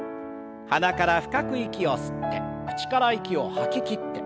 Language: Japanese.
鼻から深く息を吸って口から息を吐ききって。